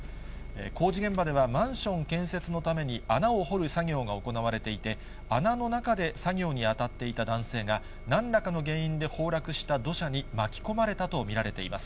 工事現場では、マンション建設のために、穴を掘る作業が行われていて、穴の中で作業に当たっていた男性が、なんらかの原因で崩落した土砂に巻き込まれたと見られています。